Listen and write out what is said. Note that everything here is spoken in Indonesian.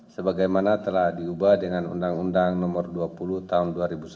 sebagaimana telah diubah dengan undang undang nomor dua puluh tahun dua ribu sebelas